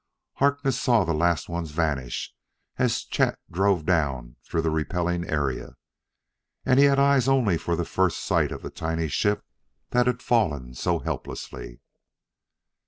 Harkness saw the last ones vanish as Chet drove down through the repelling area. And he had eyes only for the first sight of the tiny ship that had fallen so helplessly.